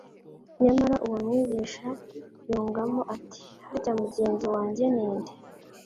Nyamara uwo mwigisha yungamo ati : «Harya mugenzi wanjye ninde ?»